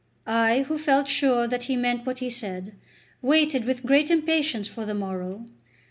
I, who felt sure that he meant what he said, waited with great impatience for the morrow.